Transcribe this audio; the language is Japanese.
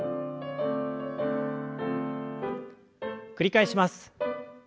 繰り返します。